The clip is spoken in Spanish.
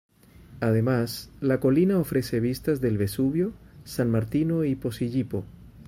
Además, la colina ofrece vistas del Vesubio, San Martino y Posillipo.